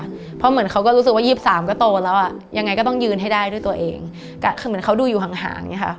เพราะเหมือนเขาก็รู้สึกว่ายี่สิบสามก็โตแล้วอ่ะยังไงก็ต้องยืนให้ได้ด้วยตัวเองคือเหมือนเขาดูอยู่ห่างห่างอย่างนี้ค่ะ